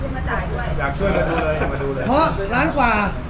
มาจ่ายก่อนอยากช่วยมาช่วยเลยอยากมาดูเลยเพราะล้านกว่า